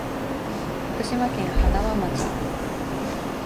福島県塙町